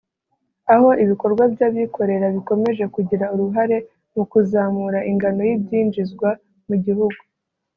aho ibikorwa by’ abikorera bikomeje kugira uruhare mu kuzamura ingano y’ ibyinjizwa mu gihugu